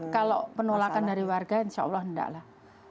kalau penolakan dari warga insya allah enggak lah